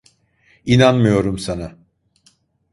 İnanmıyorum sana.